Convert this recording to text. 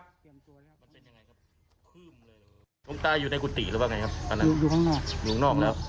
ตรงใต้อยู่ในกุฏิหรือเปล่าไงครับอันนั้นอยู่ข้างนอกอยู่ข้างนอกแล้ว